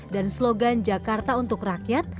dan slogan jakarta untuk rakyat